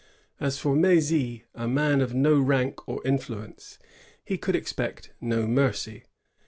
As for Mdzy, a man of no rank or influence, he could expect no mercy.